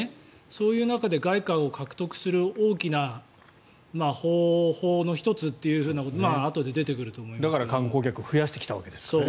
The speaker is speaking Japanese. そういう中で外貨を獲得する大きな方法の１つということでだから観光客を増やしてきたわけですよね。